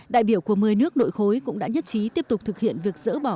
đại biểu của một mươi nước nội khối cũng đã nhất trí tiếp tục thực hiện việc dỡ bỏ